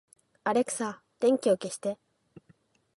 アレクサ、電気を消して